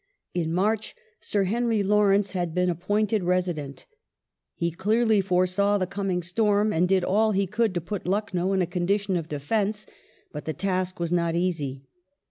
In March, Sir Henry Lawrence had been appointed Resident. He clearly foresaw the coming storm, and did all he could to put Lucknow in a condition of defence, but the task was not easy.